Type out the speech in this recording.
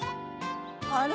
あら？